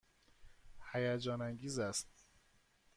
هیجان انگیز است.